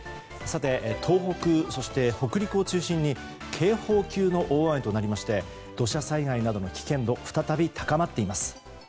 東北、そして北陸を中心に警報級の大雨となりまして土砂災害などの危険度再び高まっています。